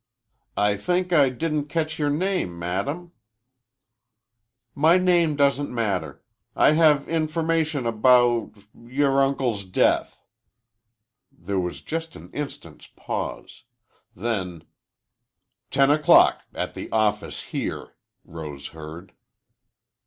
"I think I didn't catch your name, madam." "My name doesn't matter. I have information about your uncle's death." There was just an instant's pause. Then, "Ten o'clock, at the office here," Rose heard.